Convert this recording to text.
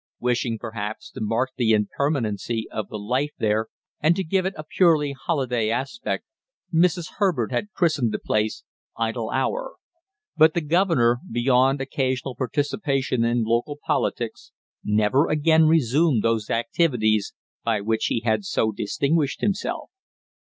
Wishing, perhaps, to mark the impermanency of the life there and to give it a purely holiday aspect, Mrs. Herbert had christened the place Idle Hour; but the governor, beyond occasional participation in local politics, never again resumed those activities by which he had so distinguished himself.